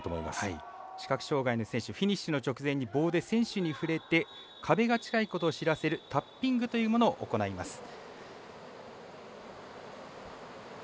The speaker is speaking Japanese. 視覚障がいの選手フィニッシュの直前に棒で選手に触れて壁が近いことを知らせるタッピングというものを行います。